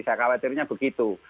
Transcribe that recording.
saya khawatirnya begitu